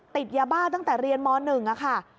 ติดยาบ้าตั้งแต่เรียนม๑ค่ะ